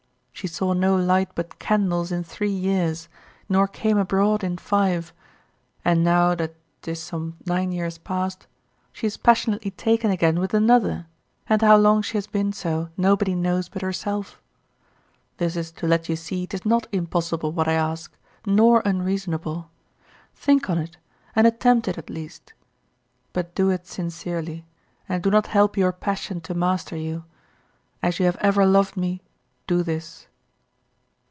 She saw no light but candles in three years, nor came abroad in five; and now that 'tis some nine years past, she is passionately taken again with another, and how long she has been so nobody knows but herself. This is to let you see 'tis not impossible what I ask, nor unreasonable. Think on't, and attempt it at least; but do it sincerely, and do not help your passion to master you. As you have ever loved me do this.